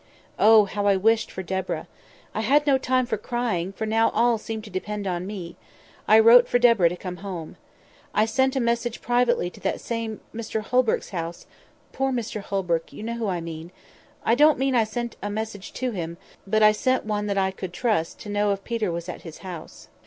"Oh, how I wished for Deborah! I had no time for crying, for now all seemed to depend on me. I wrote for Deborah to come home. I sent a message privately to that same Mr Holbrook's house—poor Mr Holbrook;—you know who I mean. I don't mean I sent a message to him, but I sent one that I could trust to know if Peter was at his house.